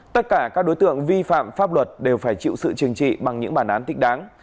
tất cả các đối tượng vi phạm pháp luật đều phải chịu sự chừng trị bằng những bản án thích đáng